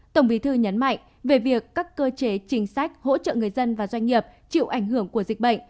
tổng bí thư nhấn mạnh về việc các cơ chế chính sách hỗ trợ người dân và doanh nghiệp chịu ảnh hưởng của dịch bệnh